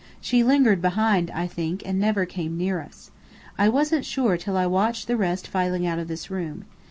"She lingered behind, I think, and never came near us. I wasn't sure till I watched the rest filing out of this room.